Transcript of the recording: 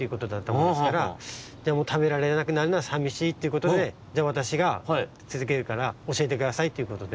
でもうたべられなくなるのはさみしいっていうことででわたしがつづけるからおしえてくださいっていうことで。